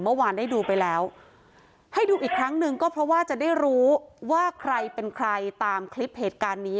เมื่อวานได้ดูไปแล้วให้ดูอีกครั้งหนึ่งก็เพราะว่าจะได้รู้ว่าใครเป็นใครตามคลิปเหตุการณ์นี้